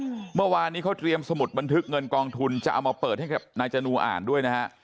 เมื่อวานนี้เขาเตรียมสมุดบันทึกเงินกองทุนจะเอามาเปิดให้กับนายจนูอ่านด้วยนะฮะ